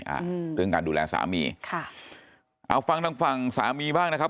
อ่าเรื่องการดูแลสามีค่ะเอาฟังทางฝั่งสามีบ้างนะครับ